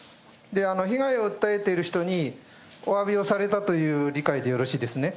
被害を訴えている人に、おわびをされたという理解でよろしいですね？